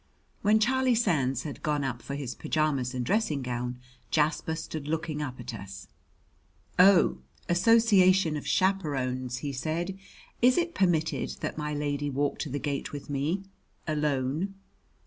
When Charlie Sands had gone up for his pajamas and dressing gown, Jasper stood looking up at us. "Oh, Association of Chaperons!" he said, "is it permitted that my lady walk to the gate with me alone?"